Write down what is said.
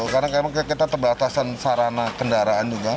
karena kita terbatasan sarana kendaraan juga